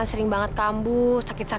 sebesar hai smart yang habis masuk ke upload